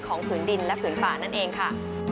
ผืนดินและผืนป่านั่นเองค่ะ